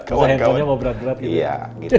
karena handlenya mau berat berat gitu